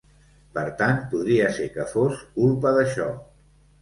Per tant, podria ser que fos culpa d’això.